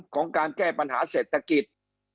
ของการแก้ปัญหาเศรษฐกิจ